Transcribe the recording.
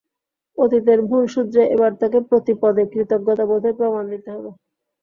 অতীতের ভুল শুধরে এবার তাঁকে প্রতি পদে কৃতজ্ঞতাবোধের প্রমান দিতে হবে।